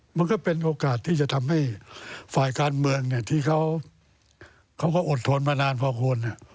มันก็เป็นโอกาสที่จะทำให้ฝ่ายการเมืองที่เขาก็อดทนมานานพอควร